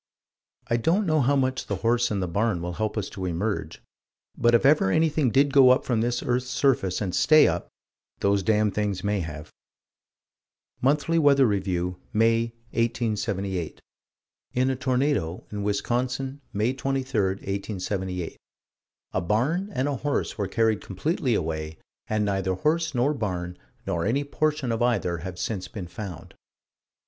I don't know how much the horse and the barn will help us to emerge: but, if ever anything did go up from this earth's surface and stay up those damned things may have: Monthly Weather Review, May, 1878: In a tornado, in Wisconsin, May 23, 1878, "a barn and a horse were carried completely away, and neither horse nor barn, nor any portion of either have since been found."